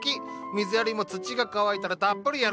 水やりも土が乾いたらたっぷりやるだけ！